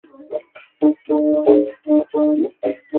matangazo yanawasilisha ujumbe uliyo dhahiri kwa wasikilizaji